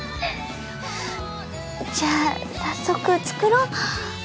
じゃあ早速作ろう！